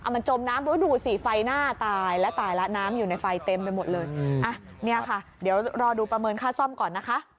มันจมน้ำปืน